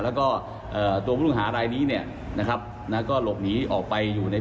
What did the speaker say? แล้วก็เอ่อตัวผู้ต้องหารายนี้เนี่ยนะครับนะก็หลบหนีออกไปอยู่ใน